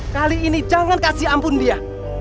kali ini jangan kasih ampun dia